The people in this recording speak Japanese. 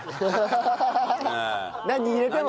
何入れても。